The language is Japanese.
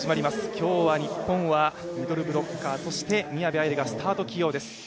今日は日本はミドルブロッカーとして宮部藍梨がスタート起用です。